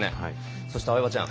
そして相葉ちゃん